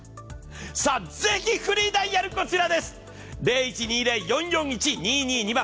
ぜひ、フリーダイヤルこちらです。